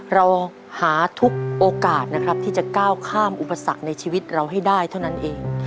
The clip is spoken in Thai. เราหาทุกโอกาสนะครับที่จะก้าวข้ามอุปสรรคในชีวิตเราให้ได้เท่านั้นเอง